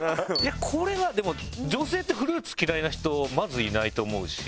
これはでも女性ってフルーツ嫌いな人まずいないと思うし。